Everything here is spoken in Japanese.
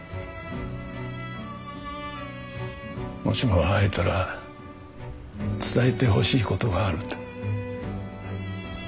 「もしも会えたら伝えてほしいことがある」と。